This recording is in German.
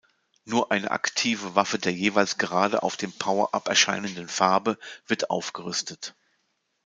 Nur eine aktive Waffe der jeweils gerade auf dem Powerup erscheinenden Farbe wird aufgerüstet.